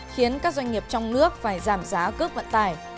khiến các doanh nghiệp trong nước phải giảm giá cướp vận tài